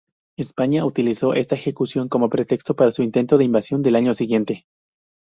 España utilizó esta ejecución como pretexto para su intento de invasión del año siguiente.